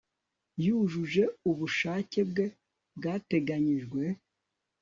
Yujuje ubushake bwe bwateganijwe